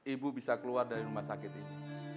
ibu bisa keluar dari rumah sakit ini